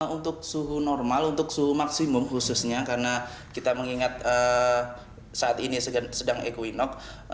untuk suhu normal untuk suhu maksimum khususnya karena kita mengingat saat ini sedang equinox